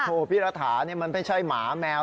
โอ้โหพี่รัฐานี่มันไม่ใช่หมาแมว